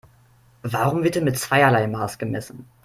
Warum wird hier mit zweierlei Maß gemessen?